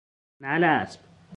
نعل اسب